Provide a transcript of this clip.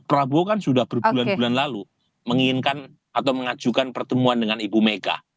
prabowo kan sudah berbulan bulan lalu menginginkan atau mengajukan pertemuan dengan ibu mega